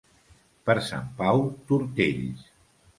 Per Sant Pau, tortells.